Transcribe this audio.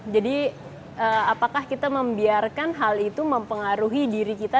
jadi apakah kita membiarkan hal itu mempengaruhi diri kita